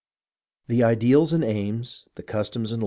The ideals and aims, the customs and.